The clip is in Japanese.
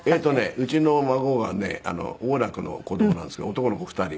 うちの孫がね王楽の子供なんですけど男の子２人。